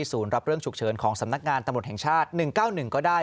รับเรื่องฉุกเฉินของสำนักงานตำรวจแห่งชาติ๑๙๑ก็ได้